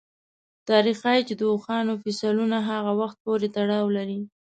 تاریخ ښيي چې د اوښانو فسیلونه هغه وخت پورې تړاو لري.